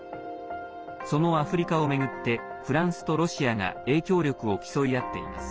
そのアフリカを巡ってフランスとロシアが影響力を競い合っています。